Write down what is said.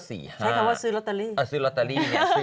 ใช้คำว่าซื้อลอตเตอรี่